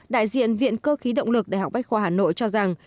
đại diện viện cơ khí động lực đại học bách khoa hà nội cho rằng